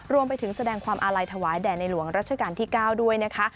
รวมไปถึงแสดงความอาลัยถวายแด่ในหลวงรัชกาลที่๙ด้วยนะคะ